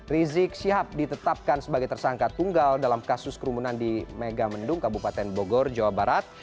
rizik syihab ditetapkan sebagai tersangka tunggal dalam kasus kerumunan di megamendung kabupaten bogor jawa barat